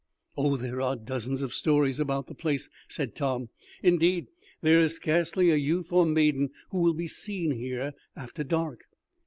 "Oh, there are dozens of stories about the place," said Tom. "Indeed, there is scarcely a youth or maiden who will be seen here after dark."